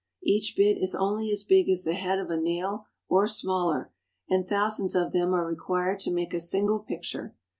Each bit is only as big as the head of a nail, or smaller, and thousands of them are required to make a single picture.